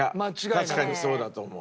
確かにそうだと思う。